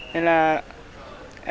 nên là em